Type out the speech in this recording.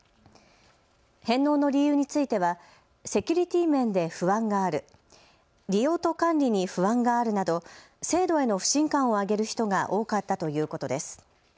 返納の理由についてはセキュリティー面で不安がある、利用と管理に不安があるなど制度への不信感を挙げる人が多かったということです。